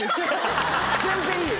全然いい。